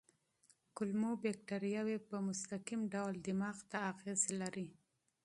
کولمو بکتریاوې په مستقیم ډول دماغ ته اغېز لري.